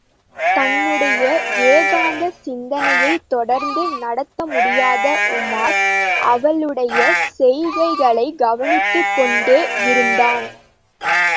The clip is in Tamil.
தன்னுடைய ஏகாந்த சிந்தைனையைத் தொடர்ந்து நடத்த முடியாத உமார், அவளுடைய செய்கைகளைக் கவனித்துக் கொண்டே இருந்தான்.